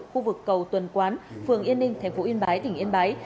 khu vực cầu tuần quán phường yên ninh thành phố yên bái tỉnh yên bái